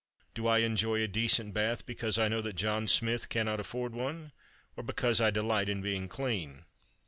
Do I enjoy a decent bath because I know that John Smith cannot afford one—or because I delight in being clean?